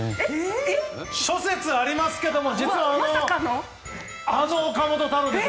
諸説ありますけども実は、あの岡本太郎です！